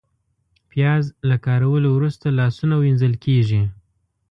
پیاز له کارولو وروسته لاسونه وینځل کېږي